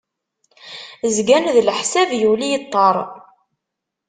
Zgan d leḥsab yuli yeṭṭer.